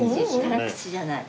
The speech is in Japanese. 辛口じゃない？